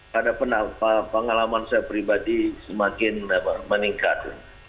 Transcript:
pada pengalaman saya pribadi semakin meningkat